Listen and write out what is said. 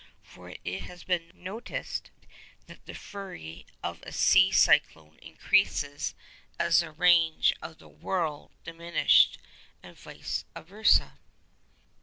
For it has been noticed that the fury of a sea cyclone increases as the range of the 'whirl' diminishes, and vice versâ.